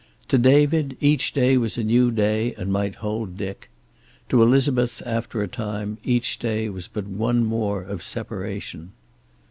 To David each day was a new day, and might hold Dick. To Elizabeth, after a time, each day was but one more of separation.